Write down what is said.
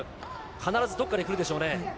必ずどこかでくるでしょうね。